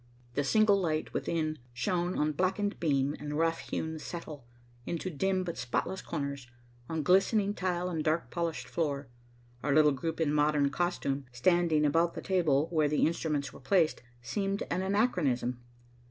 The single light within shone on blackened beam and rough hewn settle, into dim but spotless corners, on glistening tile and dark polished floor. Our little group in modern costume, standing about the table where the instruments were placed, seemed an anachronism.